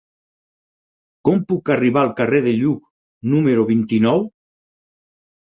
Com puc arribar al carrer de Lluc número vint-i-nou?